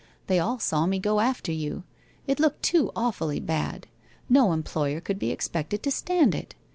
They all saw me go after you. It looked too awfully bad! No employer could be expected to stand it